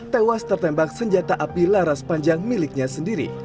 tewas tertembak senjata api laras panjang miliknya sendiri